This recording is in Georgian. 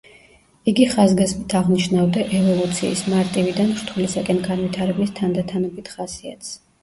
იგი ხაზგასმით აღნიშნავდა ევოლუციის, მარტივიდან რთულისაკენ განვითარების თანდათანობით ხასიათს.